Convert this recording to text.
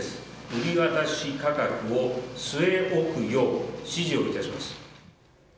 売り渡し価格を据え置くよう指示をいたしました。